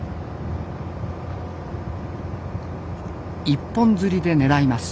一本釣りで狙います。